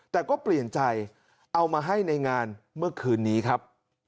แต่ก็เปลี่ยนใจเอามาให้ในงานเมื่อคืนนี้ครับ